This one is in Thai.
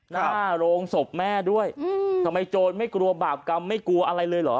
หน้าโรงศพแม่ด้วยอืมทำไมโจรไม่กลัวบาปกรรมไม่กลัวอะไรเลยเหรอ